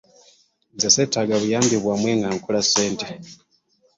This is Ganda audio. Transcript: Nze seetaaga buyambi bwammwe nga nkola ssente.